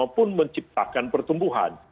maupun menciptakan pertumbuhan